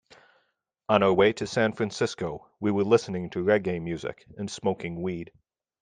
On our way to San Francisco, we were listening to reggae music and smoking weed.